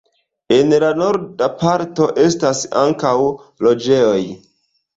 En la norda parto estas ankaŭ loĝejoj.